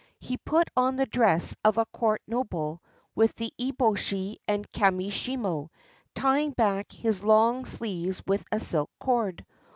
He put on the dress of a court noble, with the e boshi and kami shimo, t^ing back his long sleeves with a silk cord.